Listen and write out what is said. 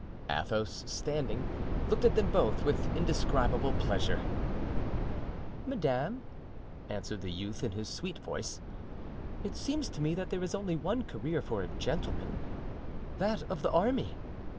Athos, standing, looked at them both with indescribable pleasure. "Madame," answered the youth in his sweet voice, "it seems to me that there is only one career for a gentleman—that of the army.